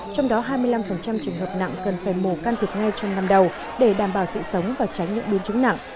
trong đó hai mươi năm trường hợp nặng cần phải mổ can thiệp ngay trong năm đầu để đảm bảo sự sống và tránh những biến chứng nặng